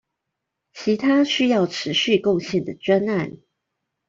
其他需要持續貢獻的專案